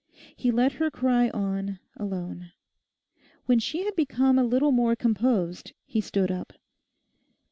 He let her cry on alone. When she had become a little more composed he stood up.